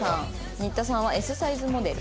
新田さんはＳサイズモデル。